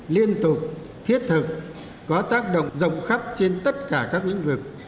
liên tục thiết thực có tác động rộng khắp trên tất cả các lĩnh vực